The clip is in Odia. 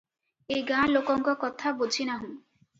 ଏ ଗାଁ ଲୋକଙ୍କ କଥା ବୁଝି ନାହୁଁ?